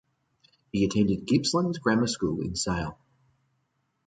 He attended Gippsland Grammar School in Sale.